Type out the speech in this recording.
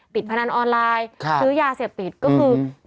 พนันออนไลน์ซื้อยาเสพติดก็คือ